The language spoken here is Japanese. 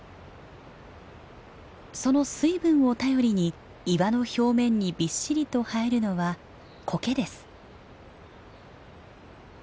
その水分を頼りに岩の表面にビッシリと生えるのはコケです。